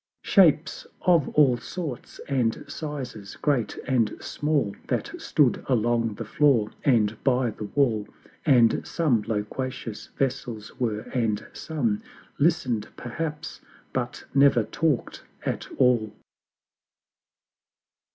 Shapes of all Sorts and Sizes, great and small, That stood along the floor and by the wall; And some loquacious Vessels were; and some Listen'd perhaps, but never talk'd at all.